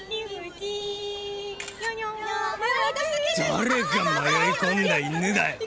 誰が迷い込んだ犬だよ！